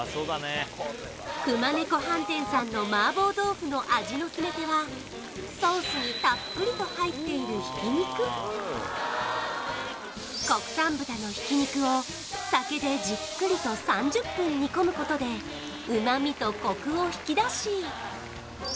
熊猫飯店さんの麻婆豆腐の味の決め手はソースにたっぷりと入っている国産豚の挽き肉を酒でじっくりと３０分煮込むことで旨味とコクを引き出し